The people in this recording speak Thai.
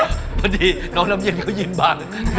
พอดีเค้าน้ำเย็นเค้ายินบัง